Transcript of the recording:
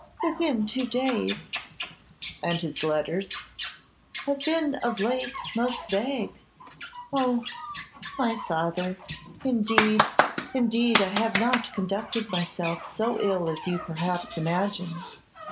'Within two days.' 'And his letters?' 'Have been of late most vague. Oh! my father, indeed, indeed I have not conducted myself so ill as you perhaps imagine.